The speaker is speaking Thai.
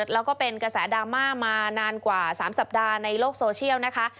แล้วก็เป็นกระแสดราม่ามานานกว่า๓สัปดาห์ในโลกโซเชียลนะคะ